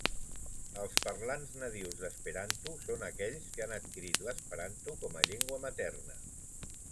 Els parlants nadius d'esperanto són aquells que han adquirit l'Esperanto com a llengua materna.